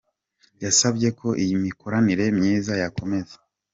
Yasabye ko iyi mikoranire myiza yakomeza.